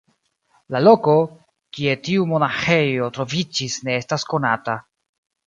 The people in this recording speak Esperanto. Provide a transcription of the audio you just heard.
La loko, kie tiu monaĥejo troviĝis ne estas konata.